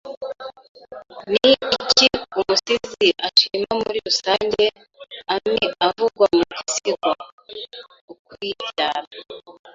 Ni iki umusizi ashima muri rusange ami avugwa mu gisigo “Ukwibyara”